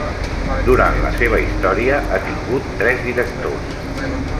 Durant la seva història ha tingut tres directors.